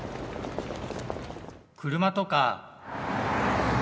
車とか。